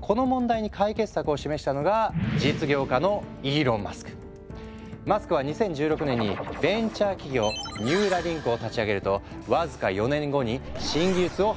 この問題に解決策を示したのがマスクは２０１６年にベンチャー企業ニューラリンクを立ち上げると僅か４年後に新技術を発表。